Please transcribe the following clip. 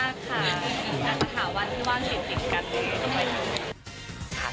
จะหาวันที่ว่างติดกัน